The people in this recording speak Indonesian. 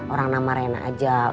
orang nama rena aja